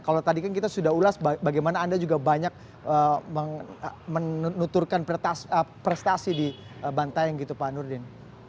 kalau tadi kan kita sudah ulas bagaimana anda juga banyak menuturkan prestasi di bantaeng gitu pak nurdin